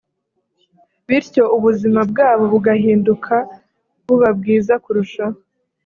bityo ubuzima bwabo bugahinduka buba bwiza kurushaho